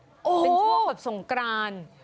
เป็นชั่วขับส่งกราน